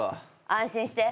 安心して。